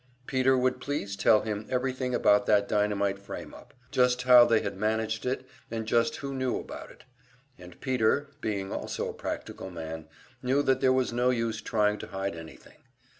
Peter would please tell him everything about that dynamite frame up; just how they had managed it and just who knew about it. And Peter, being also a practical man, knew that there was no use trying to hide anything.